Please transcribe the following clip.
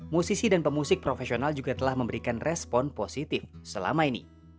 musisi dan pemusik profesional juga telah memberikan respon positif selama ini